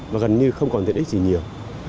và gần như không còn tiện ích gì nhiều